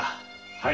はい。